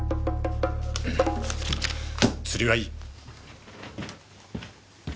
釣りはいい。